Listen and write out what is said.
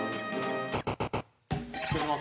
◆失礼します。